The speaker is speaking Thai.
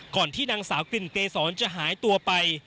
ที่นางสาวกลิ่นเกษรจะหายตัวไป